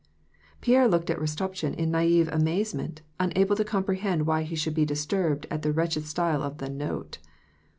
Pierre looked at Rostopchin in naive amazement, unable to comprehend why he should be disturbed at the wretched style of the " note."